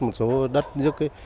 một số đất dứt